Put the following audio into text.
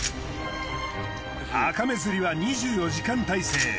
アカメ釣りは２４時間体制。